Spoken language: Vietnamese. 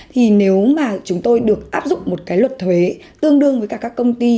thì nếu mà chúng tôi được áp dụng một cái luật thuế tương đương với cả các công ty